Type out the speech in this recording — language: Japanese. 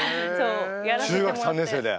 中学３年生で。